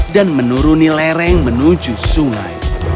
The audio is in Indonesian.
menuruni lereng menuju sungai